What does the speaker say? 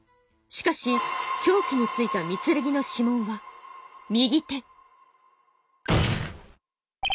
しかし凶器についた御剣の指紋は「右手」！